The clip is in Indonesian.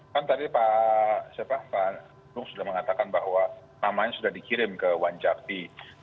kan tadi pak nuh sudah mengatakan bahwa namanya sudah dikirim ke wanjakti